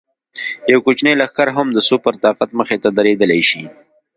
یو کوچنی لښکر هم د سوپر طاقت مخې ته درېدلی شي.